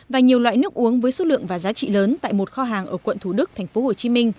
và nhiều loại nước uống với số lượng và giá trị lớn tại một kho hàng ở quận thủ đức tp hcm